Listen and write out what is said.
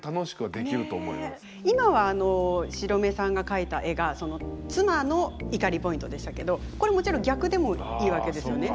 今は白目さんが描いた絵が妻の怒りポイントでしたけどこれもちろん逆でもいいわけですよね。